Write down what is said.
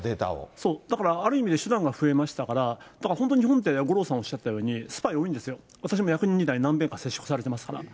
そう、だからある意味で手段が増えましたから、だから本当に日本って、五郎さんおっしゃったように、スパイが多いんですよ、私も役人時代、何人か接触されてますから。